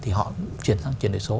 thì họ chuyển sang chuyển đổi số